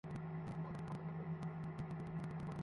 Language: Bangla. আপনি লাকিকে ফেরত নিয়ে আসেন।